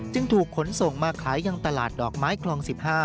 จึงถูกขนส่งมาขายยังตลาดดอกไม้คลอง๑๕